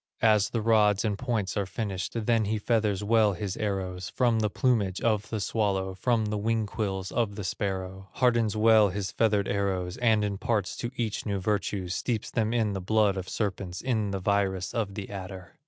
As the rods and points are finished, Then he feathers well his arrows From the plumage of the swallow, From the wing quills of the sparrow; Hardens well his feathered arrows, And imparts to each new virtues, Steeps them in the blood of serpents, In the virus of the adder.